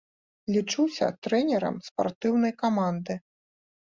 Лічуся трэнерам спартыўнай каманды.